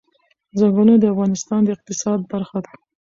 ځنګلونه د افغانستان د اقتصاد برخه ده.